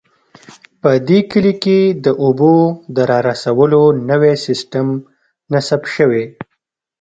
په دې کلي کې د اوبو د رارسولو نوی سیسټم نصب شوی